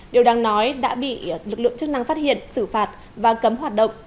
điều đáng nói đã bị lực lượng chức năng phát hiện xử phạt và cấm hoạt động